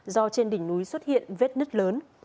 do trên đỉnh núi xuất hiện vết nứt lớn